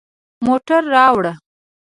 موټر راوړه